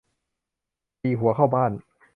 ตีหัวเข้าบ้าน